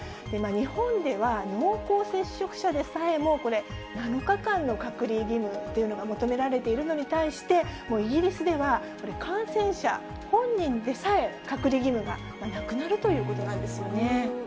日本では濃厚接触でさえもこれ、７日間の隔離義務というのが求められているのに対して、イギリスでは、感染者本人でさえ、隔離義務がなくなるということなんですよね。